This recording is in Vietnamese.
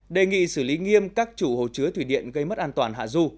đề nghị xử lý nghiêm các chủ hồ chứa thủy điện gây mất an toàn hạ du